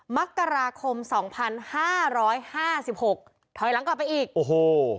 มกราคมสองพันห้าร้อยห้าสิบหกถอยหลังกลับไปอีกโอ้โห